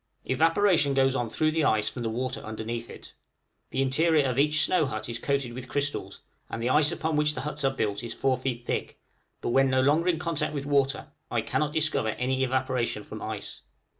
Evaporation goes on through ice from the water underneath it. The interior of each snow hut is coated with crystals, and the ice upon which the huts are built is four feet thick, but when no longer in contact with water I cannot discover any evaporation from ice.